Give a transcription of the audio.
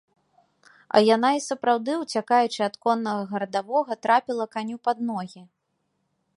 А яна, і сапраўды, уцякаючы ад коннага гарадавога, трапіла каню пад ногі.